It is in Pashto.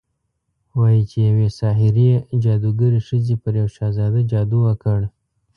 وايي چې يوې ساحرې، جادوګرې ښځې پر يو شهزاده جادو وکړ